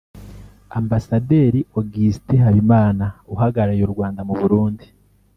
Amabasaderi Augustin Habimana uhagarariye u Rwanda mu Burundi